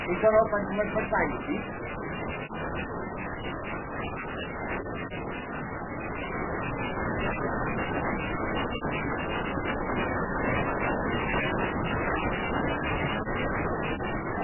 Its companion regularly perturbs the primary, causing the primary to wobble around its barycenter.